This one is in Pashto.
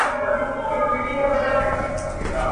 ناګهانه یې د بخت کاسه چپه سوه.